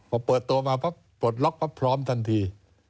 พอเปิดตัวมาปั๊บปลดล็อกก็พร้อมทันที